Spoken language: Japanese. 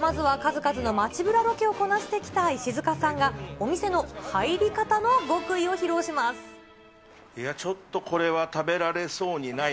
まずは数々の街ブラロケをこなしてきた石塚さんが、お店の入り方いや、ちょっと、これは食べられそうにないな。